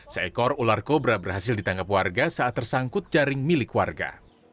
seekor ular kobra berhasil ditangkap warga saat tersangkut jaring milik warga